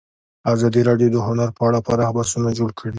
ازادي راډیو د هنر په اړه پراخ بحثونه جوړ کړي.